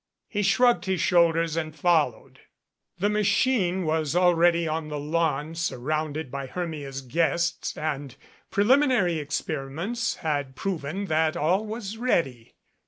He shrugged his shoulders and followed. The machine was already on the lawn surrounded by Hermia's guests and preliminary experiments had proven that all was ready.